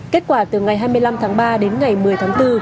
kết quả từ ngày hai mươi năm tháng ba đến ngày một mươi tháng bốn